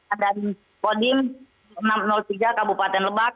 ada di podim enam ratus tiga kabupaten lebak